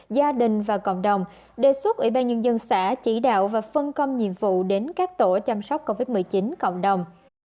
gia đình và cộng đồng đề xuất ủy ban nhân dân xã chỉ đạo và phân công nhiệm vụ đến các tổ chăm sóc covid một mươi chín cộng đồng